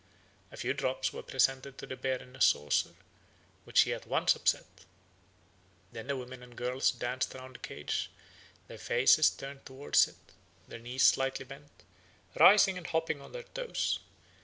A few drops were presented to the bear in a saucer, which he at once upset. Then the women and girls danced round the cage, their faces turned towards it, their knees slightly bent, rising and hopping on their toes.